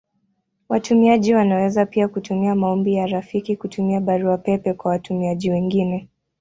Watumiaji wanaweza pia kutuma maombi ya rafiki kutumia Barua pepe kwa watumiaji wengine.